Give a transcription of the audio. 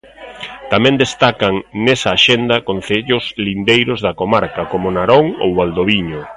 Tamén destacan nesa axenda concellos lindeiros da comarca, como Narón ou Valdoviño.